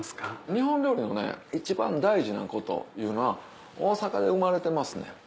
日本料理のね一番大事なこというのは大阪で生まれてますねん。